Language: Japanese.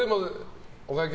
お会計